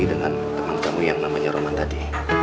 dengan teman teman yang namanya roman tadi